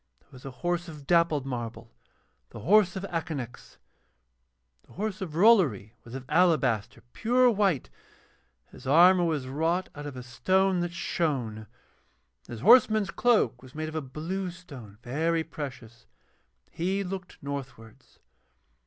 There was a horse of dappled marble, the horse of Akanax. The horse of Rollory was of alabaster, pure white, his armour was wrought out of a stone that shone, and his horseman's cloak was made of a blue stone, very precious. He looked northwards.